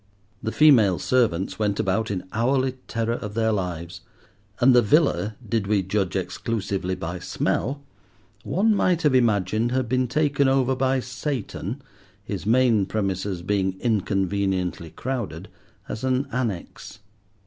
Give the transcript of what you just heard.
The female servants went about in hourly terror of their lives, and the villa, did we judge exclusively by smell, one might have imagined had been taken over by Satan, his main premises being inconveniently crowded, as an annex.